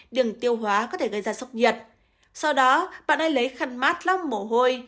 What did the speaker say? đường tiêu hóa có thể gây ra sốc nhiệt sau đó bạn hãy lấy khăn mát lắp mồ hôi